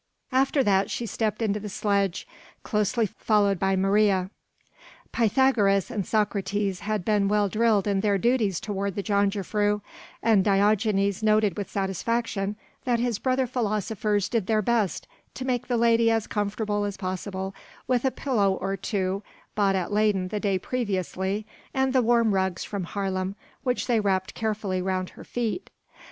After that she stepped into the sledge, closely followed by Maria. Pythagoras and Socrates had been well drilled in their duties toward the jongejuffrouw and Diogenes noted with satisfaction that his brother philosophers did their best to make the lady as comfortable as possible with a pillow or two bought at Leyden the day previously and the warm rugs from Haarlem which they wrapped carefully round her feet.